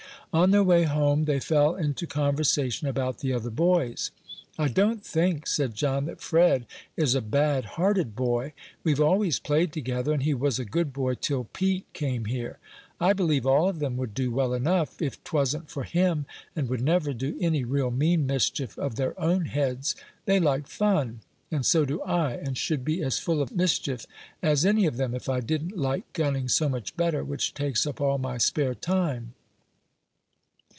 On their way home they fell into conversation about the other boys. "I don't think," said John, "that Fred is a bad hearted boy; we've always played together, and he was a good boy till Pete came here. I believe all of them would do well enough, if 'twasn't for him, and would never do any real mean mischief of their own heads; they like fun, and so do I, and should be as full of mischief as any of them, if I didn't like gunning so much better, which takes up all my spare time."